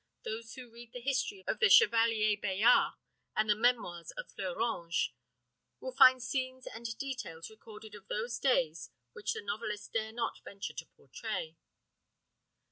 those who read the history of the Chevalier Bayard, and the memoirs of Fleurange, will find scenes and details recorded of those days which the novelist dare not venture to portray.